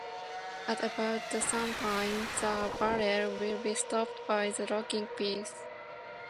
At about the same time, the barrel will be stopped by the locking piece.